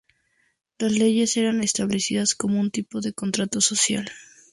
Las leyes eran establecidas como un tipo de contrato social.